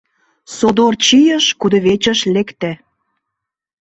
Содор чийыш, кудывечыш лекте.